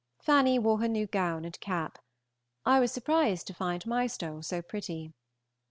Fanny wore her new gown and cap. I was surprised to find Mystole so pretty.